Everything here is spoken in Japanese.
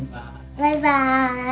バイバーイ。